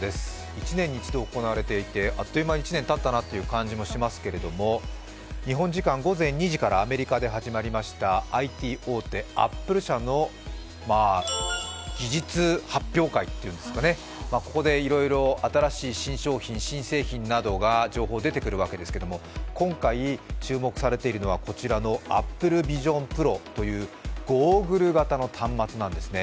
１年に１度行われていてあっという間に１年たったなという感じもしますけれども日本時間午前２時からアメリカで始まりましたＩＴ大手アップル社の技術発表会というんですかね、ここでいろいろ新しい新商品、新製品の情報が出てくるわけですけれども今回注目されているのはＡｐｐｌｅＶｉｓｉｏｎＰｒｏというゴーグル型の端末なんですね。